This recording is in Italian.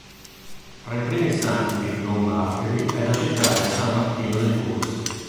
Tra i primi santi non martiri è da citare san Martino di Tours.